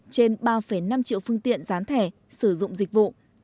trên ba năm triệu phương tiện gián thẻ sử dụng dịch vụ